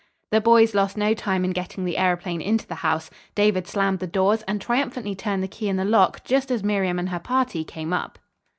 The boys lost no time in getting the aëroplane into the house, David slammed the doors, and triumphantly turned the key in the lock just as Miriam and her party came up.